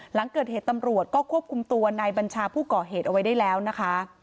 หลังเกิดเหตุตำรวจก็ควบคุมตัวนายบัญชาผู้ก่อเหตุเอาไว้ได้แล้วนะคะ